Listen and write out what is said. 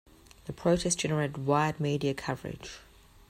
The protest generated wide media coverage.